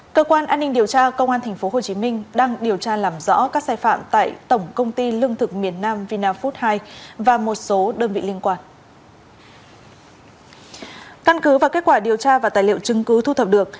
cơ quan an ninh điều tra công an tp hcm đang điều tra làm rõ các sai phạm tại tổng công ty lương thực miền nam vina food hai và một số đơn vị liên quan